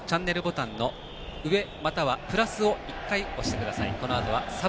６時４４分からはリモコンチャンネルボタンの上、またはプラスを１回押してください。